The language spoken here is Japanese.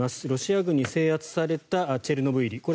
ロシア軍に制圧されたチェルノブイリ